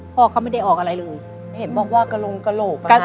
พ่อเขาไม่ได้ออกอะไรเลยเห็นบอกว่ากระลงกระโหลก